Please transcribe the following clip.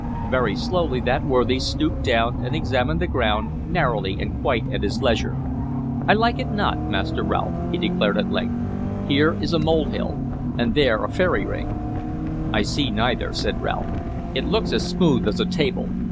Very slowly that worthy stooped down and examined the ground, narrowly and quite at his leisure. "I like it not, Master Rolfe," he declared at length. "Here is a molehill, and there a fairy ring." "I see neither," said Rolfe. "It looks as smooth as a table.